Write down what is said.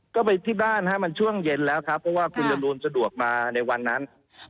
ก็ไปที่บ้านมันช่วงเย็นแล้วครับเพราะว่าคุณจรูนสะดวกมาในวันนั้น